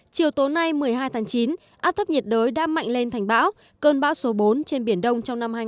chiều tối nay một mươi hai tháng chín áp thấp nhiệt đới đã mạnh lên thành bão cơn bão số bốn trên biển đông trong năm hai nghìn hai mươi